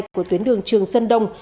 của tuyến đường trường sơn đông